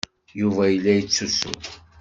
Yuba yella yettusu.